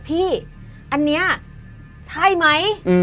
พี่อันนี้ใช่ไหม